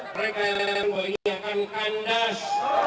mereka yang menggambarkan kandas